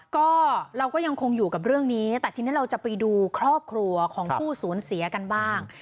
ก็เราก็ยังคงอยู่กับเรื่องนี้แต่ทีนี้เราจะไปดูครอบครัวของผู้สูญเสียกันบ้าง